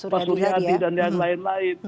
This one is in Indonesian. pak suriadi dan lain lain